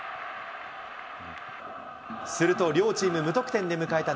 すると両チーム無得点で迎えた